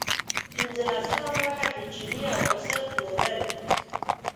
پنځلسمه برخه د چیني او پسه پلورل.